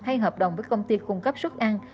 hay hợp đồng với công ty cung cấp suất ăn